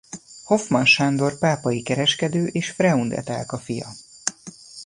Hoffmann Sándor pápai kereskedő és Freund Etelka fia.